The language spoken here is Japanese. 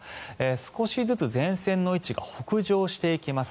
少しずつ前線の位置が北上していきます。